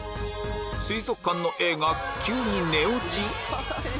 水族館のエイが急に寝落ち？